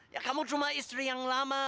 ya kamu cuma istri yang lama